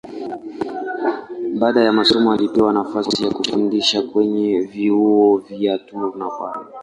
Baada ya masomo alipewa nafasi ya kufundisha kwenye vyuo vya Tours na Paris.